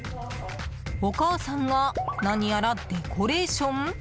お母さんが何やらデコレーション。